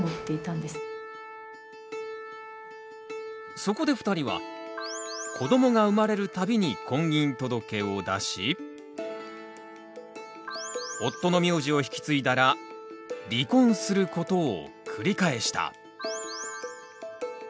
そこで２人は子どもが生まれるたびに婚姻届を出し夫の名字を引き継いだら離婚することを繰り返した。